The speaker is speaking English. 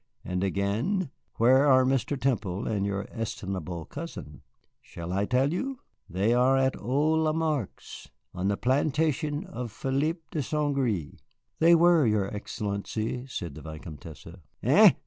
And again, where are Mr. Temple and your estimable cousin? Shall I tell you? They are at old Lamarque's, on the plantation of Philippe de St. Gré." "They were, your Excellency," said the Vicomtesse. "Eh?"